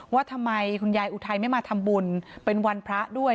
ว่าทำไมคุณยายอุทัยไม่มาทำบุญเป็นวันพระด้วย